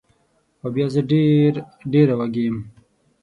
او زه بیا ډېره وږې یم